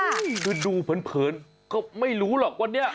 เดี๋ยวดูเพลินก็ไม่รู้หรอกวันนี้ปอ